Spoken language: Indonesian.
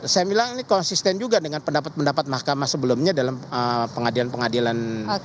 saya bilang ini konsisten juga dengan pendapat pendapat mahkamah sebelumnya dalam pengadilan pengadilan